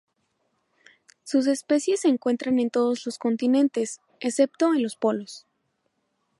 Sus especies se encuentran en todos los continentes, excepto en los polos.